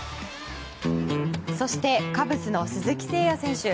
そして、カブスの鈴木誠也選手。